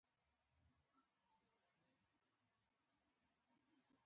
اوس مو هغه تجربې تر شا پرېښې دي.